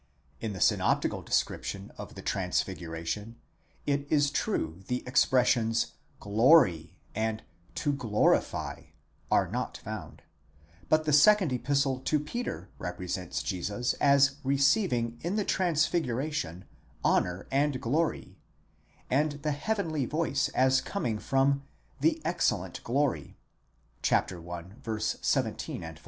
In the synoptical description of the transfiguration, it is true the expressions δόξα, g/ory and δοξάζειν, το glorify, are not found: but the Second Epistle to Peter represents Jesus as receiving in the transfiguration honour and glory, τιμὴν καὶ δόξαν, and the heavenly voice as coming from the excellent glory, μεγαλοπρεπὴς δόξα (i. 17 f.).